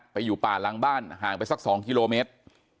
อยู่ป่าหลังบ้านห่างไปสัก๒กิโลเมตร